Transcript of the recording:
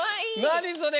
なにそれ！？